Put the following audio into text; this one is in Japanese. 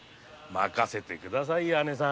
任せて下さいよ。